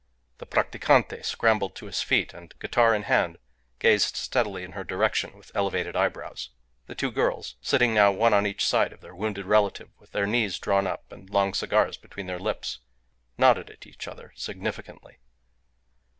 The practicante scrambled to his feet, and, guitar in hand, gazed steadily in her direction with elevated eyebrows. The two girls sitting now one on each side of their wounded relative, with their knees drawn up and long cigars between their lips nodded at each other significantly.